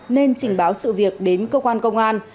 nên trình báo sự việc đến cơ quan công an